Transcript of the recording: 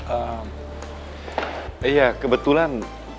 ehm iya kebetulan